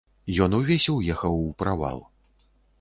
Ён увесь уехаў у правал.